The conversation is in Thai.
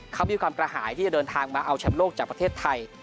เขามีความกระหายที่จะเดินทางมาเอาแชมป์โลกจากประเทศไทย